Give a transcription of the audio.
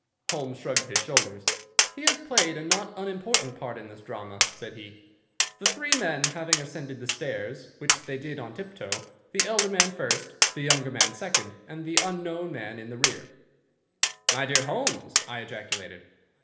Holmes shrugged his shoulders. "He has played a not unimportant part in this drama," said he. "The three men having ascended the stairs, which they did on tiptoe, the elder man first, the younger man second, and the unknown man in the rear—" "My dear Holmes!" I ejaculated.